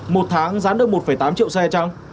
một tháng gián được một tám triệu xe chăng